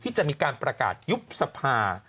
จะมีการประกาศยุบสภา